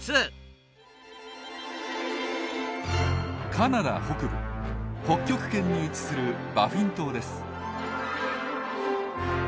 カナダ北部北極圏に位置するバフィン島です。